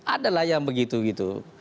adalah yang begitu begitu